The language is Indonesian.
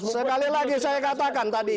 sekali lagi saya katakan tadi